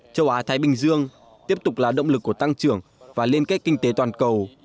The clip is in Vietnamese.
châu á thái bình dương tiếp tục là động lực của tăng trưởng và liên kết kinh tế toàn cầu